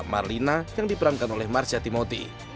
marlina yang diperangkan oleh marcia timoti